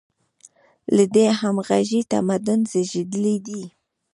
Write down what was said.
له دې همغږۍ تمدن زېږېدلی دی.